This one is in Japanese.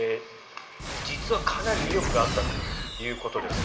実はかなり威力があったということです。